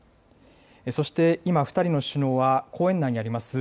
そして、今、２人の首脳は公園内にあります